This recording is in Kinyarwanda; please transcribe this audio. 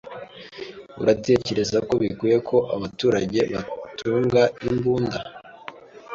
Uratekereza ko bikwiye ko abaturage batunga imbunda?